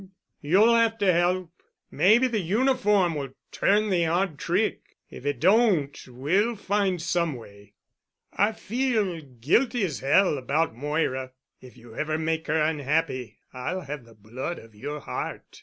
You'll have to help. Maybe the uniform will turn the odd trick. If it don't we'll find some way. "I feel guilty as Hell about Moira. If you ever make her unhappy I'll have the blood of your heart.